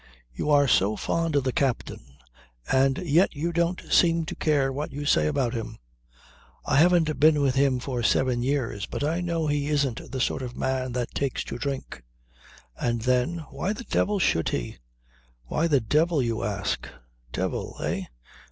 "You are so fond of the captain and yet you don't seem to care what you say about him. I haven't been with him for seven years, but I know he isn't the sort of man that takes to drink. And then why the devil should he?" "Why the devil, you ask. Devil eh?